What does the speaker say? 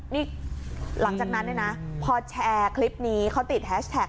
นี่หลังจากนั้นเนี่ยนะพอแชร์คลิปนี้เขาติดแฮชแท็ก